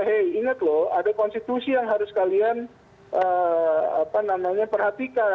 hey ingat lho ada konstitusi yang harus kalian perhatikan